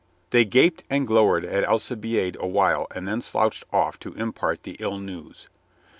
They gaped and glowered at Alcibiade a while and then slouched off to impart the ill news.